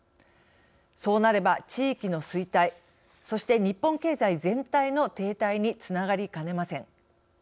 そうなれば、地域の衰退そして、日本経済全体の停滞につながりかねません。